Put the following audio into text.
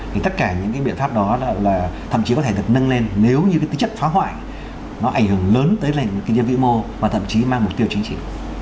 thì tất cả những cái biện pháp đó là thậm chí có thể được nâng lên nếu như cái tính chất phá hoại nó ảnh hưởng lớn tới kinh tế vĩ mô và thậm chí mang mục tiêu chính trị